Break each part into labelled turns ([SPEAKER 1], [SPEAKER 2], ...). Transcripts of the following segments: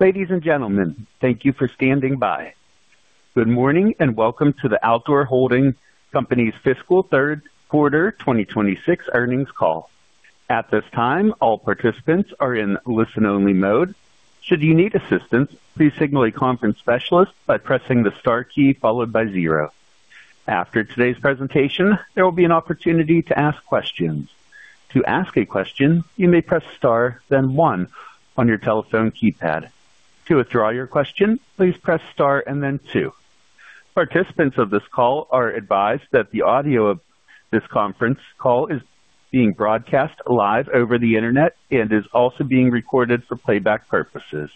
[SPEAKER 1] Ladies and gentlemen, thank you for standing by. Good morning and welcome to the Outdoor Holding Company's fiscal third quarter 2026 earnings call. At this time, all participants are in listen-only mode. Should you need assistance, please signal a conference specialist by pressing the star key followed by 0. After today's presentation, there will be an opportunity to ask questions. To ask a question, you may press star, then 1 on your telephone keypad. To withdraw your question, please press star and then 2. Participants of this call are advised that the audio of this conference call is being broadcast live over the internet and is also being recorded for playback purposes.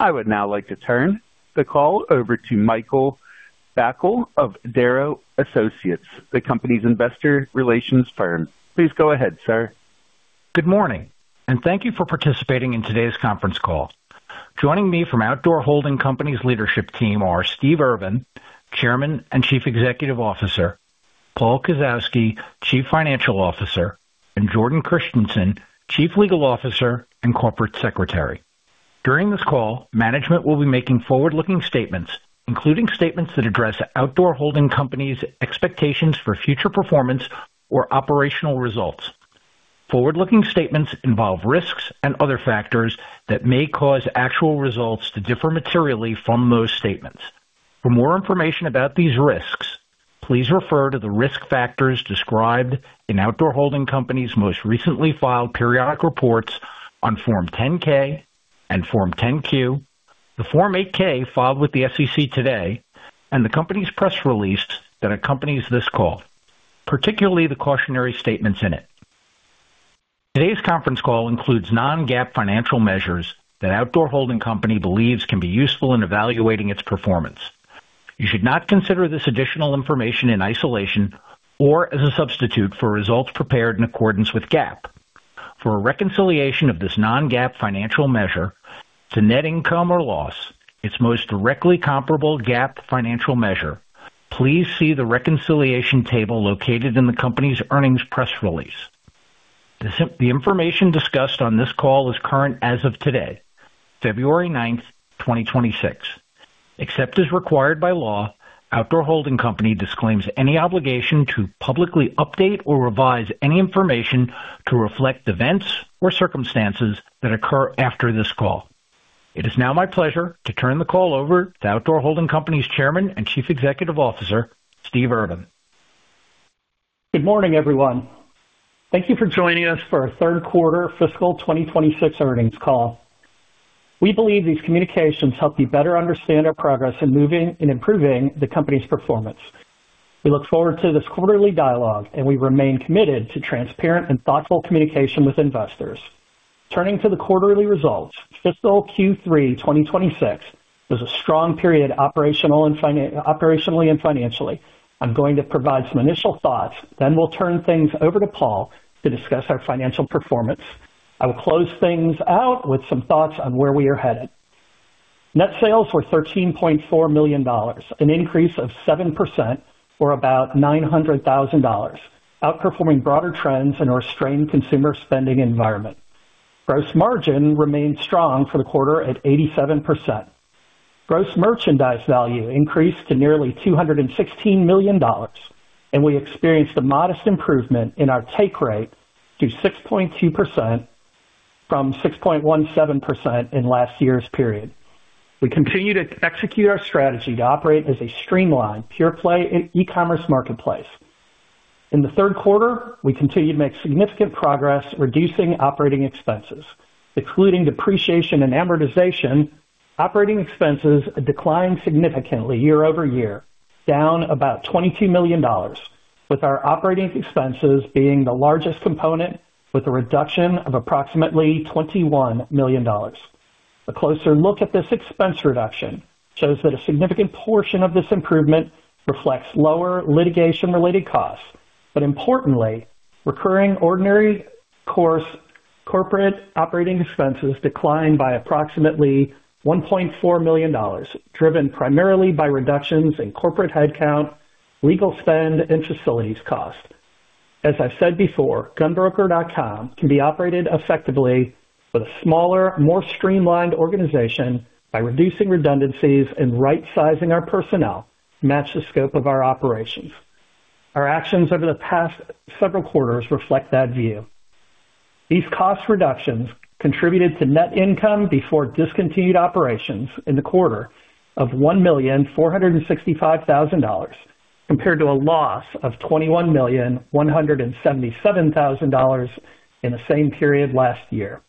[SPEAKER 1] I would now like to turn the call over to Michael Beckel of Darrow Associates, the company's investor relations firm. Please go ahead, sir.
[SPEAKER 2] Good morning, and thank you for participating in today's conference call. Joining me from Outdoor Holding Company's leadership team are Steve Urvan, Chairman and Chief Executive Officer, Paul Kasowski, Chief Financial Officer, and Jordan Christensen, Chief Legal Officer and Corporate Secretary. During this call, management will be making forward-looking statements, including statements that address Outdoor Holding Company's expectations for future performance or operational results. Forward-looking statements involve risks and other factors that may cause actual results to differ materially from those statements. For more information about these risks, please refer to the risk factors described in Outdoor Holding Company's most recently filed periodic reports on Form 10-K and Form 10-Q, the Form 8-K filed with the SEC today, and the company's press release that accompanies this call, particularly the cautionary statements in it. Today's conference call includes non-GAAP financial measures that Outdoor Holding Company believes can be useful in evaluating its performance. You should not consider this additional information in isolation or as a substitute for results prepared in accordance with GAAP. For a reconciliation of this non-GAAP financial measure to net income or loss, its most directly comparable GAAP financial measure, please see the reconciliation table located in the company's earnings press release. The information discussed on this call is current as of today, February 9th, 2026. Except as required by law, Outdoor Holding Company disclaims any obligation to publicly update or revise any information to reflect events or circumstances that occur after this call. It is now my pleasure to turn the call over to Outdoor Holding Company's Chairman and Chief Executive Officer, Steve Urvan.
[SPEAKER 3] Good morning, everyone. Thank you for joining us for our third quarter fiscal 2026 earnings call. We believe these communications help you better understand our progress in moving and improving the company's performance. We look forward to this quarterly dialogue, and we remain committed to transparent and thoughtful communication with investors. Turning to the quarterly results, fiscal Q3 2026 was a strong period operationally and financially. I'm going to provide some initial thoughts, then we'll turn things over to Paul to discuss our financial performance. I will close things out with some thoughts on where we are headed. Net sales were $13.4 million, an increase of 7% or about $900,000, outperforming broader trends in a restrained consumer spending environment. Gross margin remained strong for the quarter at 87%. Gross merchandise value increased to nearly $216 million, and we experienced a modest improvement in our take rate to 6.2% from 6.17% in last year's period. We continue to execute our strategy to operate as a streamlined, pure-play e-commerce marketplace. In the third quarter, we continue to make significant progress reducing operating expenses, including depreciation and amortization. Operating expenses declined significantly year-over-year, down about $22 million, with our operating expenses being the largest component, with a reduction of approximately $21 million. A closer look at this expense reduction shows that a significant portion of this improvement reflects lower litigation-related costs, but importantly, recurring ordinary corporate operating expenses declined by approximately $1.4 million, driven primarily by reductions in corporate headcount, legal spend, and facilities costs. As I've said before, GunBroker.com can be operated effectively with a smaller, more streamlined organization by reducing redundancies and right-sizing our personnel to match the scope of our operations. Our actions over the past several quarters reflect that view. These cost reductions contributed to net income before discontinued operations in the quarter of $1,465,000, compared to a loss of $21,177,000 in the same period last year.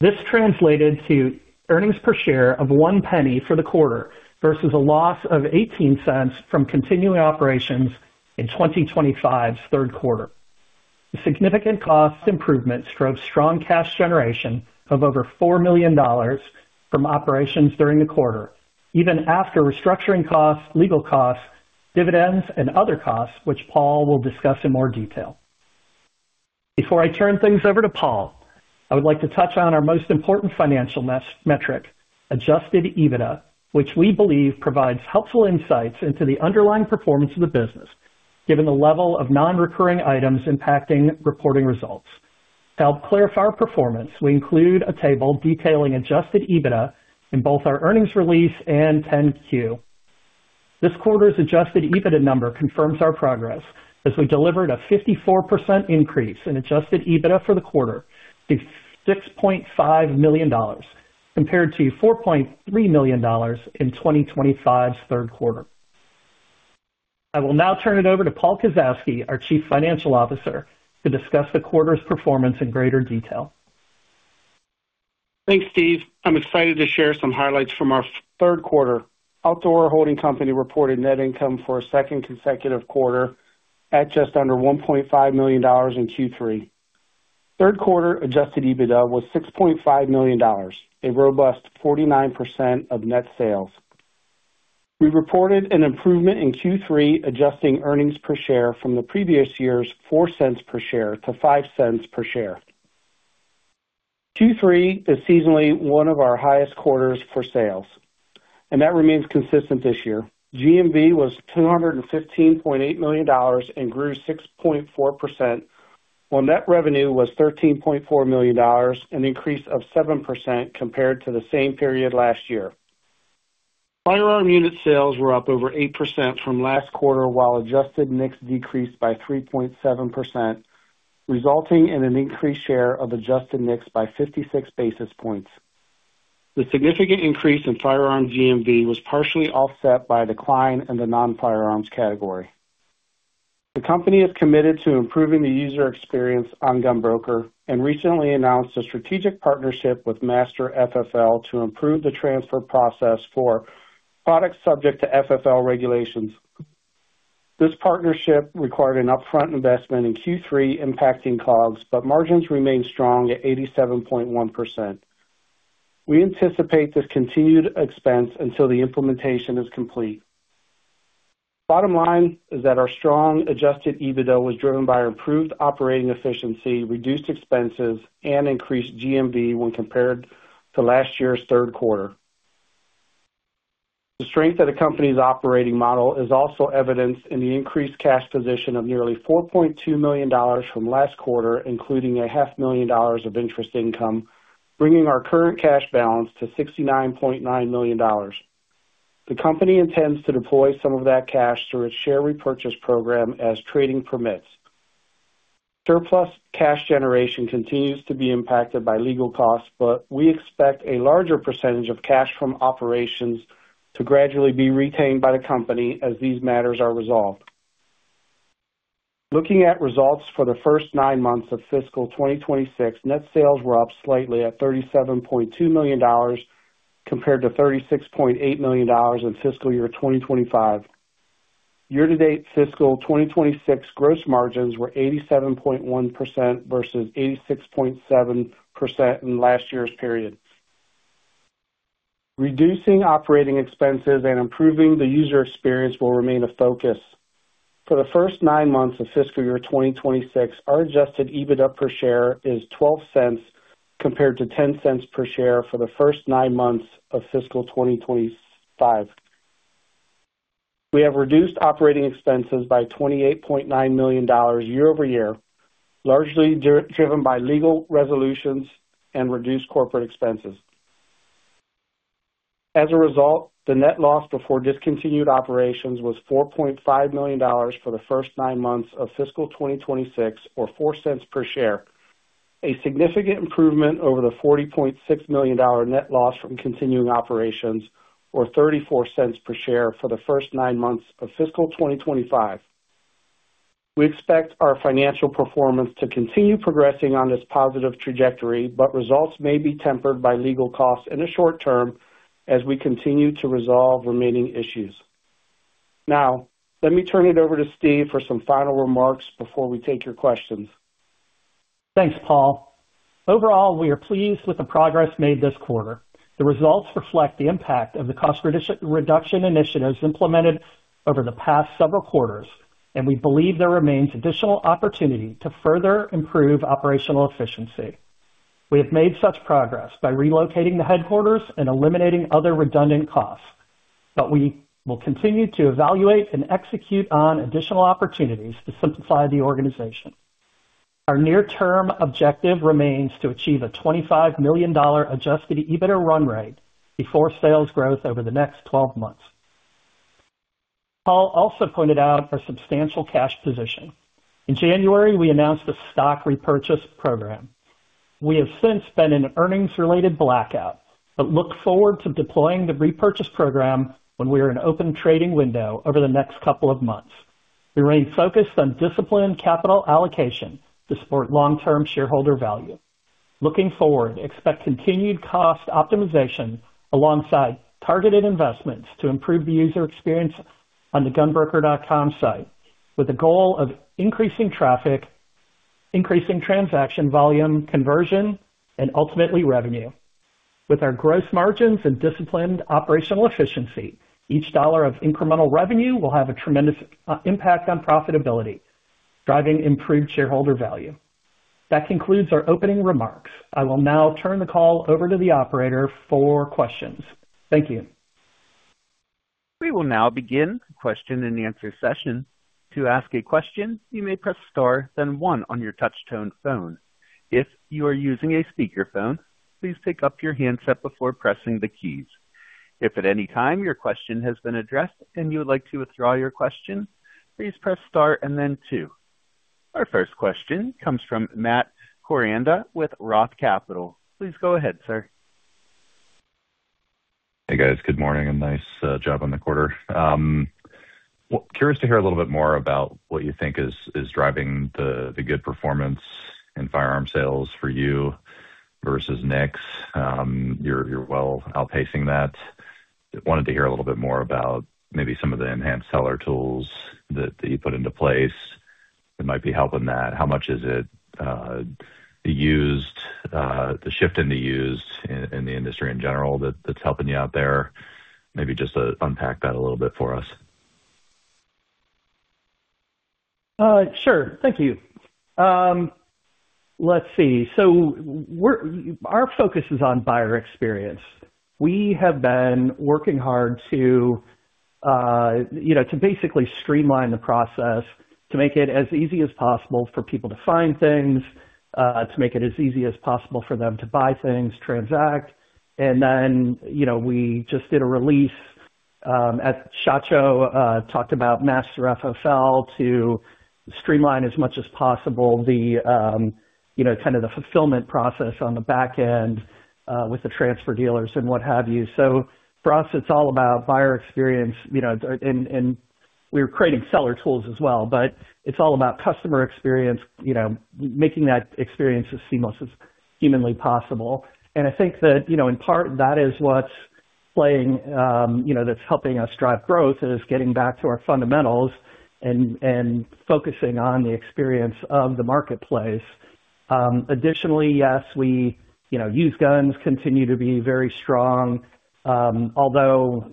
[SPEAKER 3] This translated to earnings per share of $0.01 for the quarter versus a loss of $0.18 from continuing operations in 2025's third quarter. The significant cost improvement stokes strong cash generation of over $4 million from operations during the quarter, even after restructuring costs, legal costs, dividends, and other costs, which Paul will discuss in more detail. Before I turn things over to Paul, I would like to touch on our most important financial metric, Adjusted EBITDA, which we believe provides helpful insights into the underlying performance of the business given the level of non-recurring items impacting reporting results. To help clarify our performance, we include a table detailing Adjusted EBITDA in both our earnings release and 10-Q. This quarter's Adjusted EBITDA number confirms our progress as we delivered a 54% increase in Adjusted EBITDA for the quarter to $6.5 million, compared to $4.3 million in 2025's third quarter. I will now turn it over to Paul Kasowski, our Chief Financial Officer, to discuss the quarter's performance in greater detail.
[SPEAKER 4] Thanks, Steve. I'm excited to share some highlights from our third quarter. Outdoor Holding Company reported net income for a second consecutive quarter at just under $1.5 million in Q3. Third quarter Adjusted EBITDA was $6.5 million, a robust 49% of net sales. We reported an improvement in Q3 adjusted earnings per share from the previous year's $0.04 per share to $0.05 per share. Q3 is seasonally one of our highest quarters for sales, and that remains consistent this year. GMV was $215.8 million and grew 6.4%, while net revenue was $13.4 million, an increase of 7% compared to the same period last year. Firearm unit sales were up over 8% from last quarter while Adjusted NICS decreased by 3.7%, resulting in an increased share of Adjusted NICS by 56 basis points. The significant increase in firearm GMV was partially offset by a decline in the non-firearms category. The company is committed to improving the user experience on GunBroker.com and recently announced a strategic partnership with Master FFL to improve the transfer process for products subject to FFL regulations. This partnership required an upfront investment in Q3 impacting COGS, but margins remained strong at 87.1%. We anticipate this continued expense until the implementation is complete. Bottom line is that our strong Adjusted EBITDA was driven by improved operating efficiency, reduced expenses, and increased GMV when compared to last year's third quarter. The strength of the company's operating model is also evidenced in the increased cash position of nearly $4.2 million from last quarter, including $500,000 of interest income, bringing our current cash balance to $69.9 million. The company intends to deploy some of that cash through its share repurchase program as trading permits. Surplus cash generation continues to be impacted by legal costs, but we expect a larger percentage of cash from operations to gradually be retained by the company as these matters are resolved. Looking at results for the first nine months of fiscal 2026, net sales were up slightly at $37.2 million compared to $36.8 million in fiscal year 2025. Year-to-date fiscal 2026 gross margins were 87.1% versus 86.7% in last year's period. Reducing operating expenses and improving the user experience will remain a focus. For the first nine months of fiscal year 2026, our adjusted EBITDA per share is $0.12 compared to $0.10 per share for the first nine months of fiscal 2025. We have reduced operating expenses by $28.9 million year-over-year, largely driven by legal resolutions and reduced corporate expenses. As a result, the net loss before discontinued operations was $4.5 million for the first nine months of fiscal 2026, or $0.04 per share, a significant improvement over the $40.6 million net loss from continuing operations, or $0.34 per share for the first nine months of fiscal 2025. We expect our financial performance to continue progressing on this positive trajectory, but results may be tempered by legal costs in the short term as we continue to resolve remaining issues. Now, let me turn it over to Steve for some final remarks before we take your questions.
[SPEAKER 3] Thanks, Paul. Overall, we are pleased with the progress made this quarter. The results reflect the impact of the cost reduction initiatives implemented over the past several quarters, and we believe there remains additional opportunity to further improve operational efficiency. We have made such progress by relocating the headquarters and eliminating other redundant costs, but we will continue to evaluate and execute on additional opportunities to simplify the organization. Our near-term objective remains to achieve a $25 million Adjusted EBITDA run rate before sales growth over the next 12 months. Paul also pointed out our substantial cash position. In January, we announced a stock repurchase program. We have since been in an earnings-related blackout but look forward to deploying the repurchase program when we are in open trading window over the next couple of months. We remain focused on disciplined capital allocation to support long-term shareholder value. Looking forward, expect continued cost optimization alongside targeted investments to improve the user experience on the GunBroker.com site with the goal of increasing traffic, increasing transaction volume, conversion, and ultimately revenue. With our gross margins and disciplined operational efficiency, each dollar of incremental revenue will have a tremendous impact on profitability, driving improved shareholder value. That concludes our opening remarks. I will now turn the call over to the operator for questions. Thank you.
[SPEAKER 1] We will now begin the question and answer session. To ask a question, you may press star, then one on your touch-tone phone. If you are using a speakerphone, please pick up your handset before pressing the keys. If at any time your question has been addressed and you would like to withdraw your question, please press star and then two. Our first question comes from Matt Koranda with Roth Capital. Please go ahead, sir.
[SPEAKER 5] Hey, guys. Good morning and nice job on the quarter. Curious to hear a little bit more about what you think is driving the good performance in firearm sales for you versus NICS. You're well outpacing that. Wanted to hear a little bit more about maybe some of the enhanced seller tools that you put into place that might be helping that. How much is it the shift in the used in the industry in general that's helping you out there? Maybe just unpack that a little bit for us.
[SPEAKER 3] Sure. Thank you. Let's see. So our focus is on buyer experience. We have been working hard to basically streamline the process to make it as easy as possible for people to find things, to make it as easy as possible for them to buy things, transact. And then we just did a release. Chacho talked about Master FFL to streamline as much as possible kind of the fulfillment process on the back end with the transfer dealers and what have you. So for us, it's all about buyer experience. And we're creating seller tools as well, but it's all about customer experience, making that experience as seamless as humanly possible. And I think that in part, that is what's helping us drive growth, is getting back to our fundamentals and focusing on the experience of the marketplace. Additionally, yes, used guns continue to be very strong. Although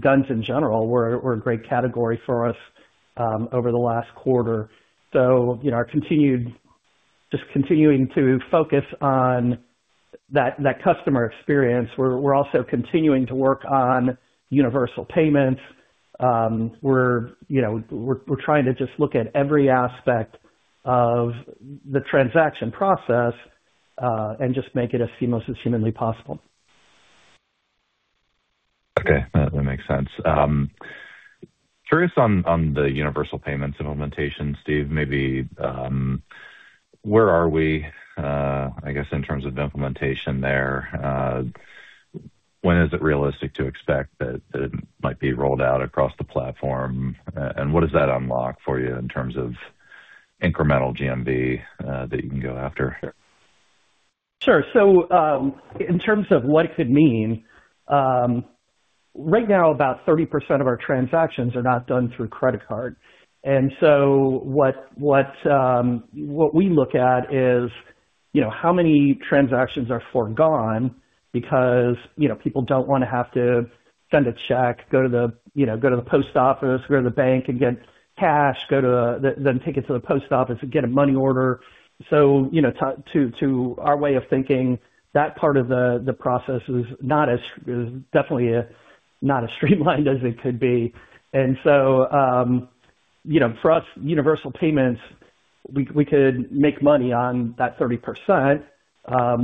[SPEAKER 3] guns in general were a great category for us over the last quarter. So just continuing to focus on that customer experience, we're also continuing to work on universal payments. We're trying to just look at every aspect of the transaction process and just make it as seamless as humanly possible.
[SPEAKER 5] Okay. That makes sense. Curious on the universal payments implementation, Steve. Maybe where are we, I guess, in terms of implementation there? When is it realistic to expect that it might be rolled out across the platform? And what does that unlock for you in terms of incremental GMV that you can go after?
[SPEAKER 3] Sure. So in terms of what could mean, right now, about 30% of our transactions are not done through credit card. And so what we look at is how many transactions are forgone because people don't want to have to send a check, go to the post office, go to the bank and get cash, then take it to the post office, get a money order. So to our way of thinking, that part of the process is definitely not as streamlined as it could be. And so for us, universal payments, we could make money on that 30%,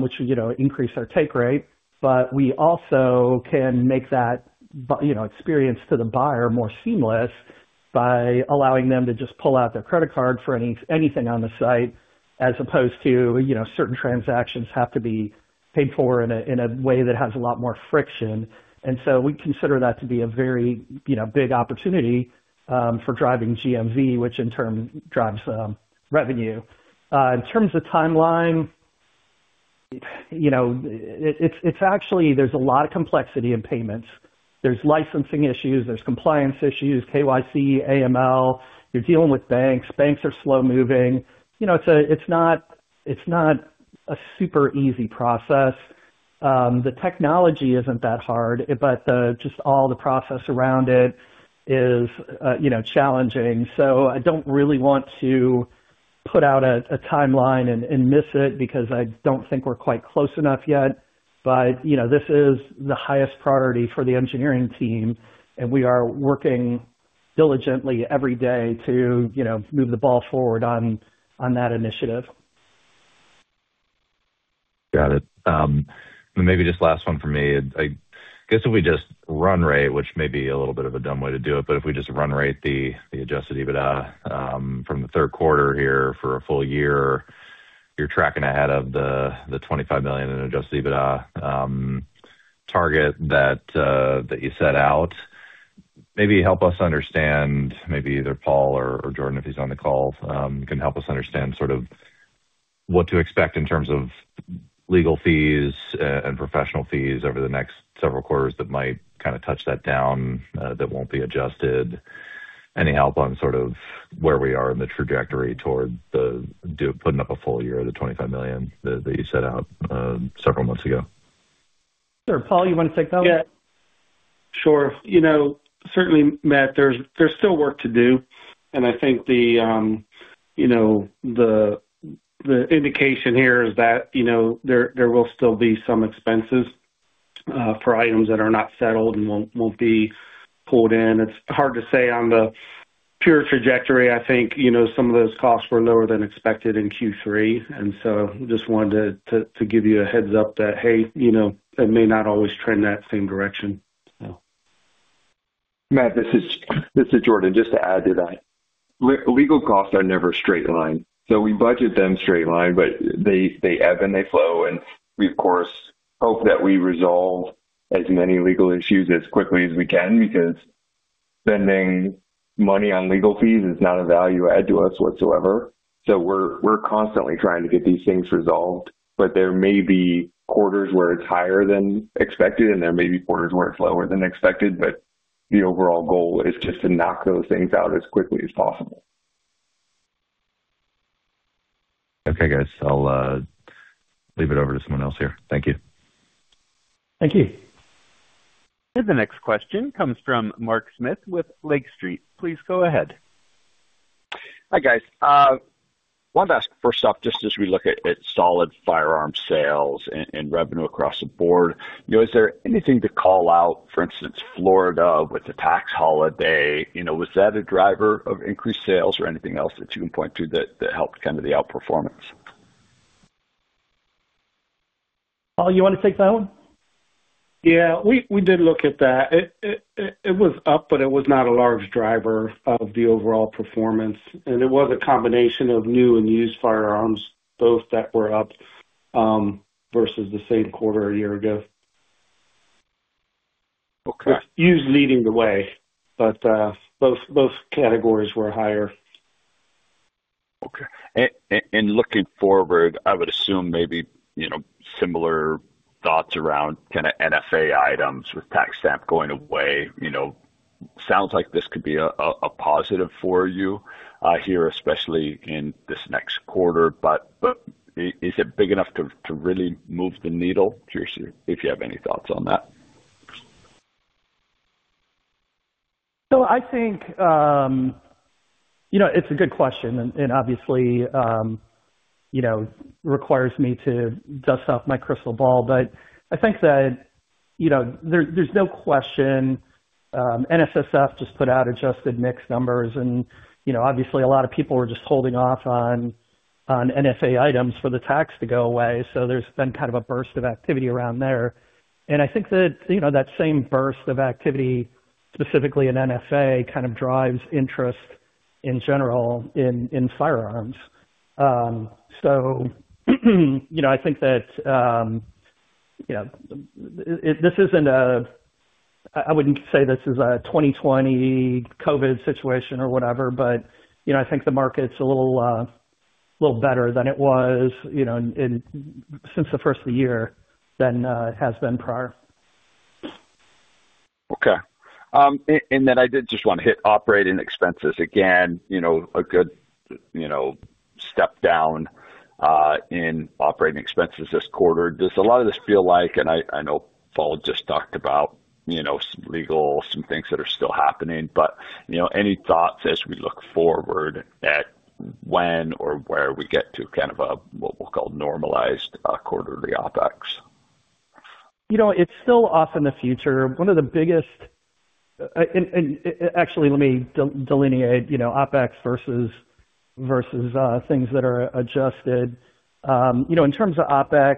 [SPEAKER 3] which would increase our take rate. But we also can make that experience to the buyer more seamless by allowing them to just pull out their credit card for anything on the site as opposed to certain transactions have to be paid for in a way that has a lot more friction. And so we consider that to be a very big opportunity for driving GMV, which in turn drives revenue. In terms of timeline, there's a lot of complexity in payments. There's licensing issues. There's compliance issues, KYC, AML. You're dealing with banks. Banks are slow-moving. It's not a super easy process. The technology isn't that hard, but just all the process around it is challenging. So I don't really want to put out a timeline and miss it because I don't think we're quite close enough yet. This is the highest priority for the engineering team, and we are working diligently every day to move the ball forward on that initiative.
[SPEAKER 5] Got it. And maybe just last one from me. I guess if we just run rate, which may be a little bit of a dumb way to do it, but if we just run rate the Adjusted EBITDA from the third quarter here for a full year, you're tracking ahead of the $25 million in Adjusted EBITDA target that you set out. Maybe help us understand, maybe either Paul or Jordan, if he's on the call, can help us understand sort of what to expect in terms of legal fees and professional fees over the next several quarters that might kind of touch that down, that won't be adjusted. Any help on sort of where we are in the trajectory toward putting up a full year of the $25 million that you set out several months ago?
[SPEAKER 3] Sure. Paul, you want to take that one?
[SPEAKER 4] Yeah. Sure. Certainly, Matt, there's still work to do. And I think the indication here is that there will still be some expenses for items that are not settled and won't be pulled in. It's hard to say. On the pure trajectory, I think some of those costs were lower than expected in Q3. And so just wanted to give you a heads-up that, hey, it may not always trend that same direction, so.
[SPEAKER 6] Matt, this is Jordan. Just to add to that, legal costs are never straight line. So we budget them straight line, but they ebb and they flow. And we, of course, hope that we resolve as many legal issues as quickly as we can because spending money on legal fees is not a value add to us whatsoever. So we're constantly trying to get these things resolved. But there may be quarters where it's higher than expected, and there may be quarters where it's lower than expected. But the overall goal is just to knock those things out as quickly as possible.
[SPEAKER 5] Okay, guys. I'll leave it over to someone else here. Thank you.
[SPEAKER 3] Thank you.
[SPEAKER 1] The next question comes from Mark Smith with Lake Street. Please go ahead.
[SPEAKER 7] Hi, guys. I wanted to ask first off, just as we look at solid firearm sales and revenue across the board, is there anything to call out? For instance, Florida with the tax holiday, was that a driver of increased sales or anything else that you can point to that helped kind of the outperformance?
[SPEAKER 3] Paul, you want to take that one?
[SPEAKER 4] Yeah. We did look at that. It was up, but it was not a large driver of the overall performance. It was a combination of new and used firearms, both that were up versus the same quarter a year ago. Used leading the way, but both categories were higher.
[SPEAKER 7] Okay. And looking forward, I would assume maybe similar thoughts around kind of NFA items with tax stamp going away. Sounds like this could be a positive for you here, especially in this next quarter. But is it big enough to really move the needle? If you have any thoughts on that?
[SPEAKER 3] So I think it's a good question and obviously requires me to dust off my crystal ball. But I think that there's no question. NSSF just put out adjusted NICS numbers. And obviously, a lot of people were just holding off on NFA items for the tax to go away. So there's been kind of a burst of activity around there. And I think that that same burst of activity, specifically in NFA, kind of drives interest in general in firearms. So I think that this isn't a, I wouldn't say this is a 2020 COVID situation or whatever, but I think the market's a little better than it was since the first of the year than it has been prior.
[SPEAKER 7] Okay. And then I did just want to hit operating expenses. Again, a good step down in operating expenses this quarter. Does a lot of this feel like, and I know Paul just talked about some legal, some things that are still happening. But any thoughts as we look forward at when or where we get to kind of what we'll call normalized quarterly OpEx?
[SPEAKER 3] It's still off in the future. One of the biggest and actually, let me delineate OpEx versus things that are adjusted. In terms of OpEx,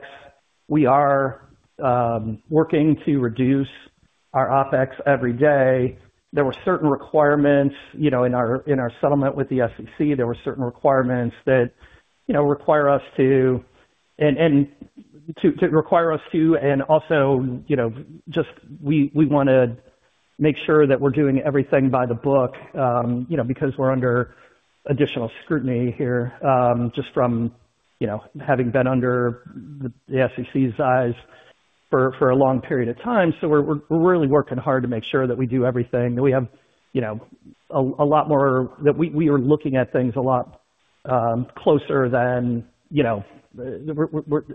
[SPEAKER 3] we are working to reduce our OpEx every day. There were certain requirements in our settlement with the SEC. There were certain requirements that require us to and to require us to and also just we want to make sure that we're doing everything by the book because we're under additional scrutiny here just from having been under the SEC's eyes for a long period of time. So we're really working hard to make sure that we do everything. That we have a lot more that we are looking at things a lot closer than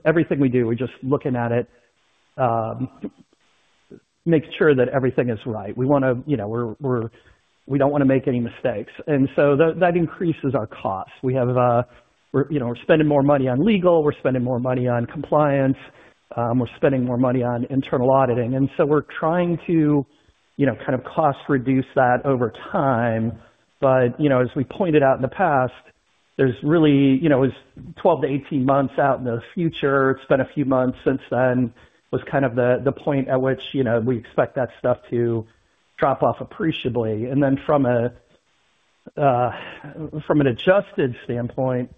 [SPEAKER 3] everything we do. We're just looking at it, make sure that everything is right. We don't want to make any mistakes. And so that increases our costs. We're spending more money on legal. We're spending more money on compliance. We're spending more money on internal auditing. And so we're trying to kind of cost-reduce that over time. But as we pointed out in the past, there's really it was 12-18 months out in the future. It's been a few months since then. It was kind of the point at which we expect that stuff to drop off appreciably. From an adjusted standpoint,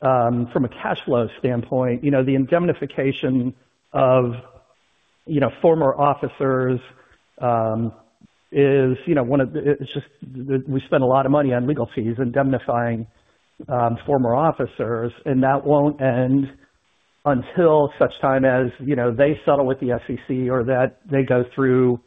[SPEAKER 3] from a cash flow standpoint, the indemnification of former officers is one of the we spend a lot of money on legal fees indemnifying former officers. And that won't end until such time as they settle with the SEC or that they go through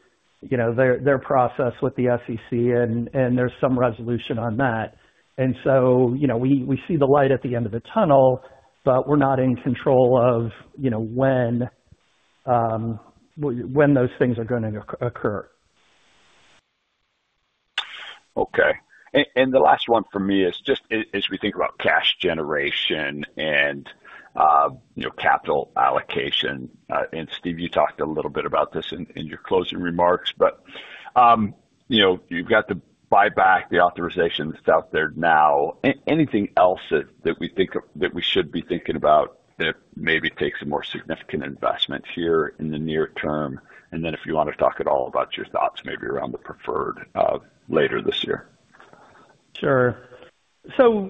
[SPEAKER 3] their process with the SEC and there's some resolution on that. We see the light at the end of the tunnel, but we're not in control of when those things are going to occur.
[SPEAKER 7] Okay. And the last one for me is just as we think about cash generation and capital allocation. And Steve, you talked a little bit about this in your closing remarks, but you've got the buyback, the authorization that's out there now. Anything else that we think that we should be thinking about that maybe takes a more significant investment here in the near term? And then if you want to talk at all about your thoughts, maybe around the preferred later this year.
[SPEAKER 3] Sure. So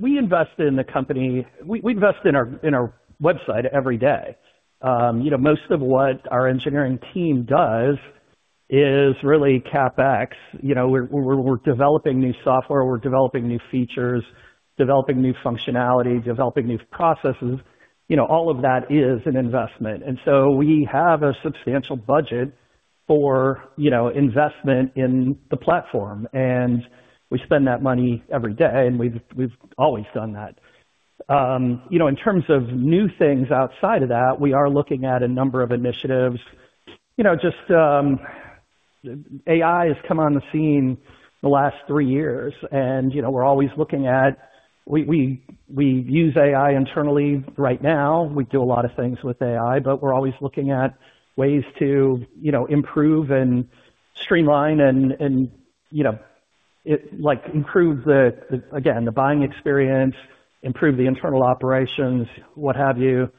[SPEAKER 3] we invest in the company we invest in our website every day. Most of what our engineering team does is really CapEx. We're developing new software. We're developing new features, developing new functionality, developing new processes. All of that is an investment. And so we have a substantial budget for investment in the platform. And we spend that money every day, and we've always done that. In terms of new things outside of that, we are looking at a number of initiatives. Just AI has come on the scene the last three years, and we're always looking at we use AI internally right now. We do a lot of things with AI, but we're always looking at ways to improve and streamline and improve, again, the buying experience, improve the internal operations, what have you.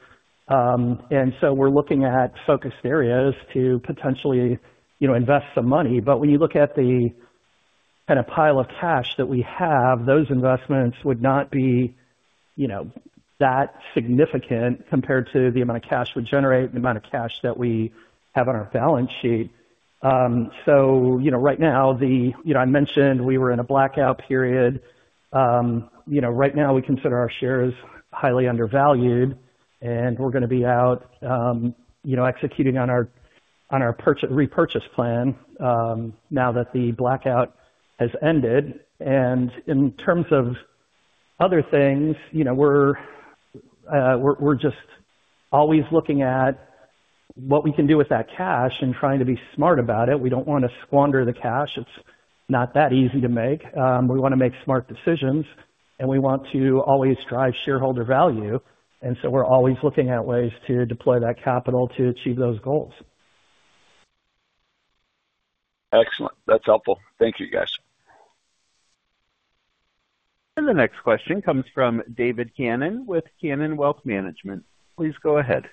[SPEAKER 3] And so we're looking at focused areas to potentially invest some money. When you look at the kind of pile of cash that we have, those investments would not be that significant compared to the amount of cash we generate, the amount of cash that we have on our balance sheet. So right now, I mentioned we were in a blackout period. Right now, we consider our shares highly undervalued, and we're going to be out executing on our repurchase plan now that the blackout has ended. And in terms of other things, we're just always looking at what we can do with that cash and trying to be smart about it. We don't want to squander the cash. It's not that easy to make. We want to make smart decisions, and we want to always drive shareholder value. And so we're always looking at ways to deploy that capital to achieve those goals.
[SPEAKER 7] Excellent. That's helpful. Thank you, guys.
[SPEAKER 1] The next question comes from David Cannon with Cannon Wealth Management. Please go ahead.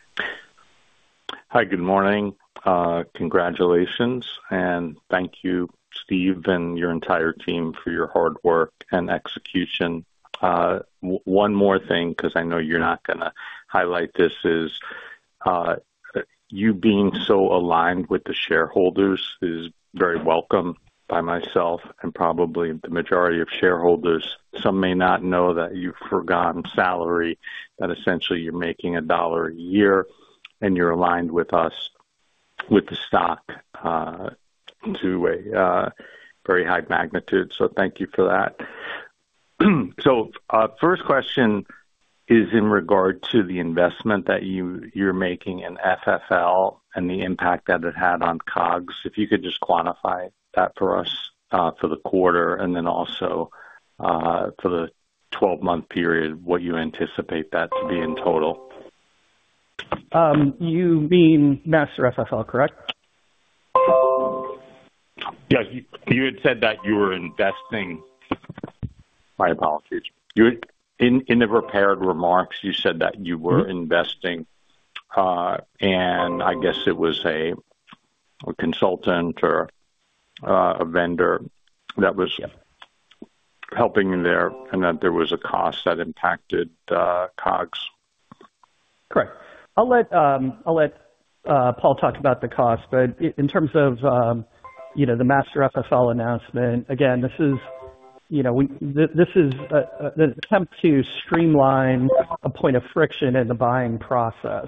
[SPEAKER 8] Hi. Good morning. Congratulations. And thank you, Steve, and your entire team for your hard work and execution. One more thing, because I know you're not going to highlight this, is you being so aligned with the shareholders is very welcome by myself and probably the majority of shareholders. Some may not know that you've forgone salary, that essentially you're making $1 a year, and you're aligned with us with the stock to a very high magnitude. So thank you for that. So first question is in regard to the investment that you're making in FFL and the impact that it had on COGS. If you could just quantify that for us for the quarter and then also for the 12-month period, what you anticipate that to be in total.
[SPEAKER 3] You mean Master FFL, correct?
[SPEAKER 8] Yeah. You had said that you were investing. My apologies. In the prepared remarks, you said that you were investing. And I guess it was a consultant or a vendor that was helping there and that there was a cost that impacted COGS.
[SPEAKER 3] Correct. I'll let Paul talk about the cost. But in terms of the Master FFL announcement, again, this is an attempt to streamline a point of friction in the buying process.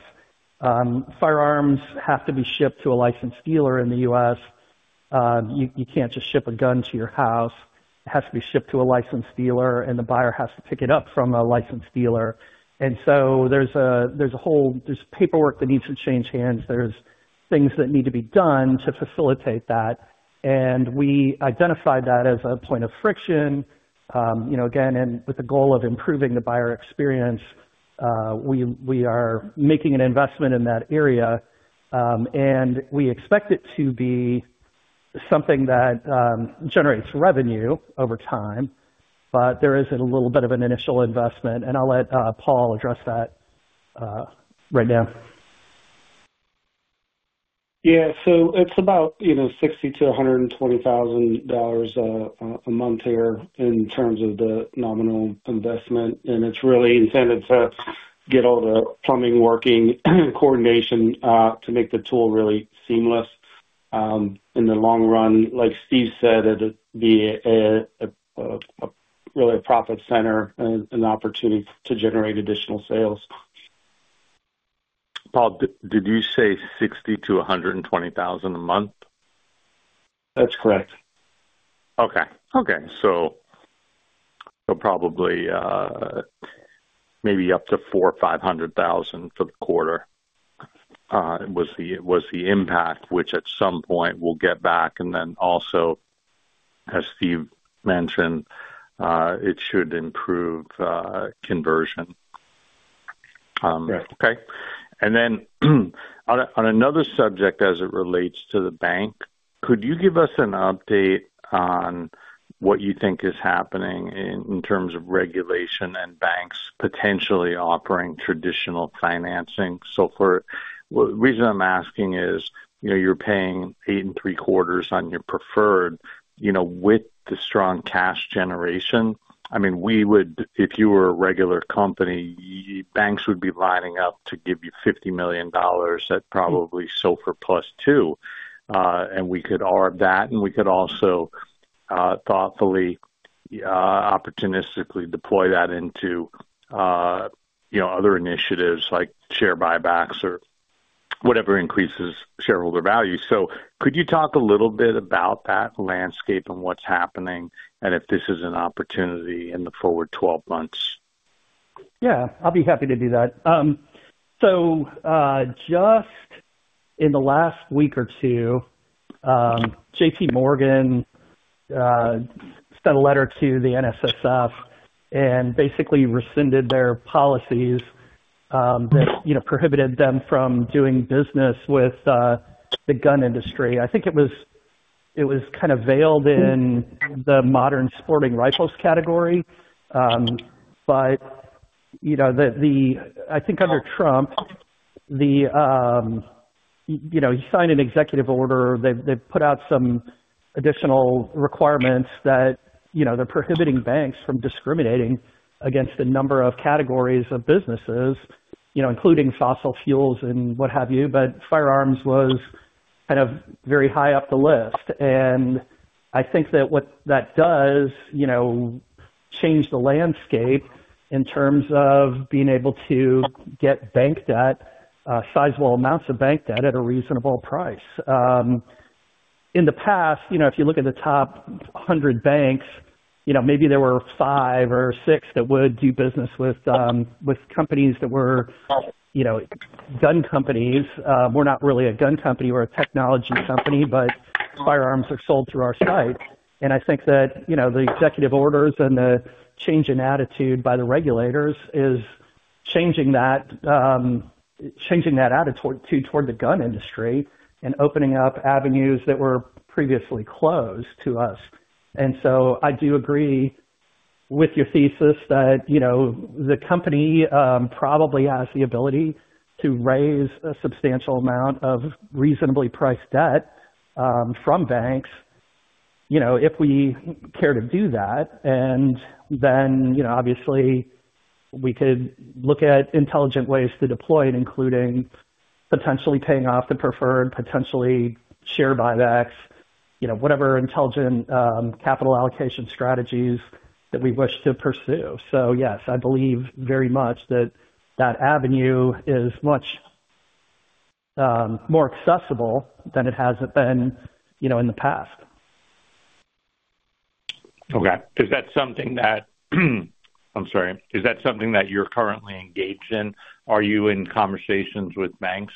[SPEAKER 3] Firearms have to be shipped to a licensed dealer in the U.S. You can't just ship a gun to your house. It has to be shipped to a licensed dealer, and the buyer has to pick it up from a licensed dealer. And so there's a whole paperwork that needs to change hands. There's things that need to be done to facilitate that. And we identified that as a point of friction. Again, with the goal of improving the buyer experience, we are making an investment in that area. And we expect it to be something that generates revenue over time. But there is a little bit of an initial investment. I'll let Paul address that right now.
[SPEAKER 4] Yeah. So it's about $60,000 million -$120,000 million a month here in terms of the nominal investment. It's really intended to get all the plumbing working and coordination to make the tool really seamless in the long run. Like Steve said, it'd be really a profit center and an opportunity to generate additional sales.
[SPEAKER 8] Paul, did you say $60,000-$120,000 a month?
[SPEAKER 4] That's correct.
[SPEAKER 8] Okay. Okay. So probably maybe up to $400,000-$500,000 for the quarter was the impact, which at some point we'll get back. And then also, as Steve mentioned, it should improve conversion. Okay? And then on another subject as it relates to the bank, could you give us an update on what you think is happening in terms of regulation and banks potentially offering traditional financing? So the reason I'm asking is you're paying 8.75% on your preferred with the strong cash generation. I mean, if you were a regular company, banks would be lining up to give you $50 million at probably SOFR + 2. And we could earn that, and we could also thoughtfully, opportunistically deploy that into other initiatives like share buybacks or whatever increases shareholder value. Could you talk a little bit about that landscape and what's happening and if this is an opportunity in the forward 12 months?
[SPEAKER 3] Yeah. I'll be happy to do that. So just in the last week or two, JPMorgan sent a letter to the NSSF and basically rescinded their policies that prohibited them from doing business with the gun industry. I think it was kind of veiled in the Modern Sporting Rifles category. But I think under Trump, he signed an executive order. They've put out some additional requirements that they're prohibiting banks from discriminating against a number of categories of businesses, including fossil fuels and what have you. But firearms was kind of very high up the list. And I think that what that does change the landscape in terms of being able to get bank debt, sizable amounts of bank debt at a reasonable price. In the past, if you look at the top 100 banks, maybe there were five or six that would do business with companies that were gun companies. We're not really a gun company. We're a technology company, but firearms are sold through our site. And I think that the executive orders and the change in attitude by the regulators is changing that attitude toward the gun industry and opening up avenues that were previously closed to us. And so I do agree with your thesis that the company probably has the ability to raise a substantial amount of reasonably priced debt from banks if we care to do that. And then obviously, we could look at intelligent ways to deploy it, including potentially paying off the preferred, potentially share buybacks, whatever intelligent capital allocation strategies that we wish to pursue. Yes, I believe very much that that avenue is much more accessible than it has been in the past.
[SPEAKER 8] Okay. Is that something that you're currently engaged in? Are you in conversations with banks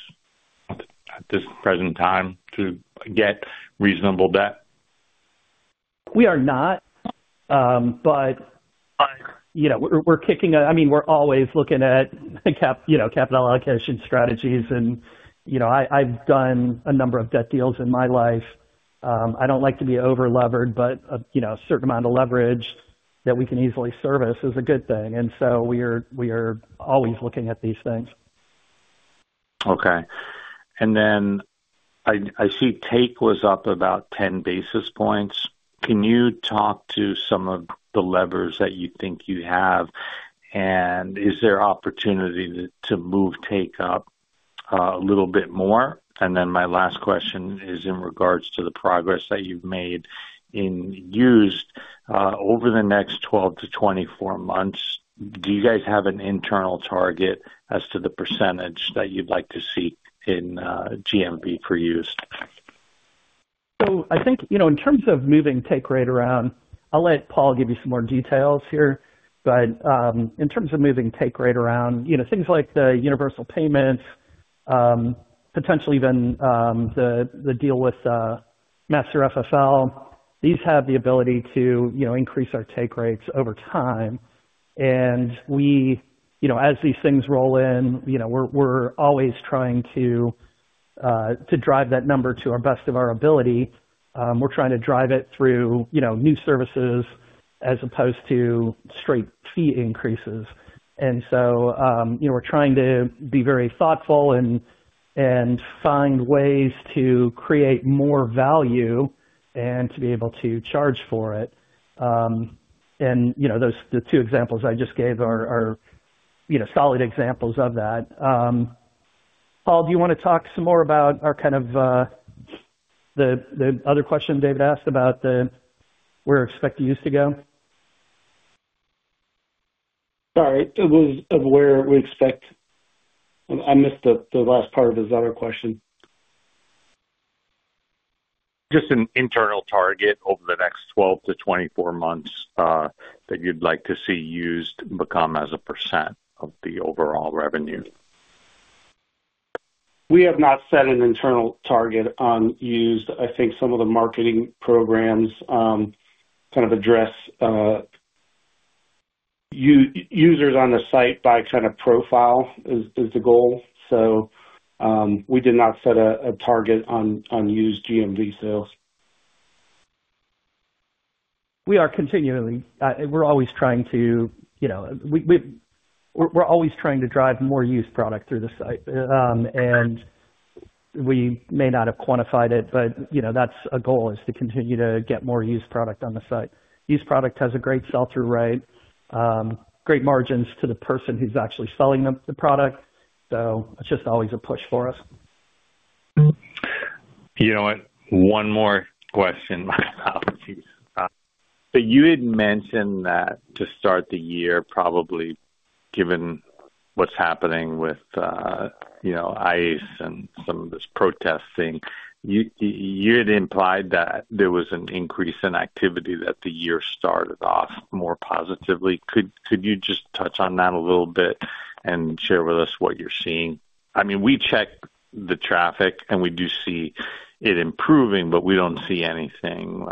[SPEAKER 8] at this present time to get reasonable debt?
[SPEAKER 3] We are not, but we're, I mean, we're always looking at capital allocation strategies. I've done a number of debt deals in my life. I don't like to be over-levered, but a certain amount of leverage that we can easily service is a good thing. So we are always looking at these things.
[SPEAKER 8] Okay. And then I see take was up about 10 basis points. Can you talk to some of the levers that you think you have? And is there opportunity to move take up a little bit more? And then my last question is in regards to the progress that you've made in used over the next 12 to 24 months. Do you guys have an internal target as to the percentage that you'd like to see in GMV for used?
[SPEAKER 3] I think in terms of moving take rate around, I'll let Paul give you some more details here. But in terms of moving take rate around, things like the universal payments, potentially even the deal with Master FFL, these have the ability to increase our take rates over time. And as these things roll in, we're always trying to drive that number to our best of our ability. We're trying to drive it through new services as opposed to straight fee increases. And so we're trying to be very thoughtful and find ways to create more value and to be able to charge for it. And the two examples I just gave are solid examples of that. Paul, do you want to talk some more about our kind of the other question David asked about where we expect used to go?
[SPEAKER 4] Sorry. It was of where we expect. I missed the last part of his other question.
[SPEAKER 8] Just an internal target over the next 12-24 months that you'd like to see used become as a percent of the overall revenue.
[SPEAKER 4] We have not set an internal target on used. I think some of the marketing programs kind of address users on the site by kind of profile is the goal. So we did not set a target on used GMV sales.
[SPEAKER 3] We're always trying to drive more used product through the site. We may not have quantified it, but that's a goal, to continue to get more used product on the site. Used product has a great sell-through rate, great margins to the person who's actually selling the product. So it's just always a push for us.
[SPEAKER 8] You know what? One more question. My apologies. But you had mentioned that to start the year, probably given what's happening with ICE and some of this protest thing, you had implied that there was an increase in activity that the year started off more positively. Could you just touch on that a little bit and share with us what you're seeing? I mean, we check the traffic, and we do see it improving, but we don't see anything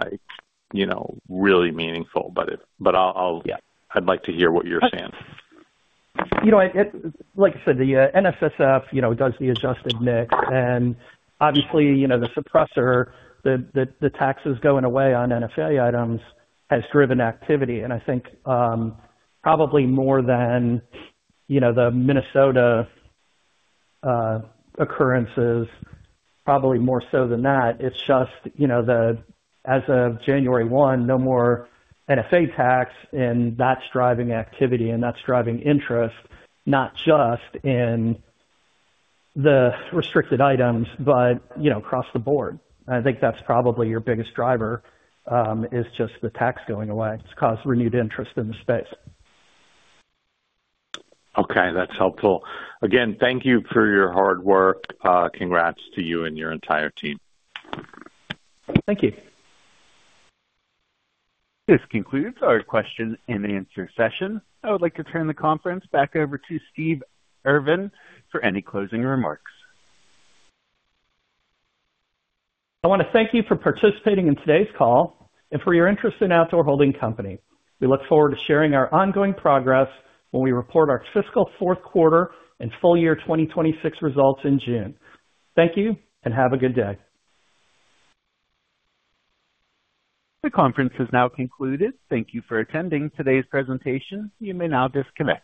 [SPEAKER 8] really meaningful. But I'd like to hear what you're saying.
[SPEAKER 3] Like I said, the NSSF does the Adjusted NICS. Obviously, the suppressor, the taxes going away on NFA items has driven activity. I think probably more than the Minnesota occurrences, probably more so than that, it's just as of January 1, no more NFA tax, and that's driving activity and that's driving interest, not just in the restricted items, but across the board. I think that's probably your biggest driver is just the tax going away. It's caused renewed interest in the space.
[SPEAKER 8] Okay. That's helpful. Again, thank you for your hard work. Congrats to you and your entire team.
[SPEAKER 3] Thank you.
[SPEAKER 1] This concludes our question and answer session. I would like to turn the conference back over to Steven Urvan for any closing remarks.
[SPEAKER 3] I want to thank you for participating in today's call and for your interest in Outdoor Holding Company. We look forward to sharing our ongoing progress when we report our fiscal fourth quarter and full year 2026 results in June. Thank you, and have a good day.
[SPEAKER 1] The conference has now concluded. Thank you for attending today's presentation. You may now disconnect.